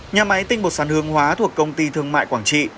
nhà máy tinh bột sắn hương hóa thuộc công ty thương mại quảng trị